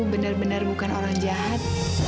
benar benar bukan orang jahat